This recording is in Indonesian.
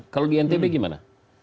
kalau di ntb gimana